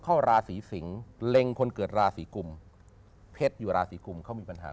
เข้าราศีสิงศ์เล็งคนเกิดราศีกุมเพชรอยู่ราศีกุมเขามีปัญหา